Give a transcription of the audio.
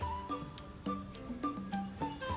kota pematang siantar